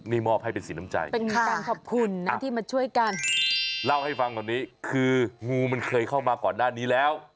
เล่าให้ฟังตอนนี้คืองูมันเคยเข้ามาก่อนด้านนี้แล้ว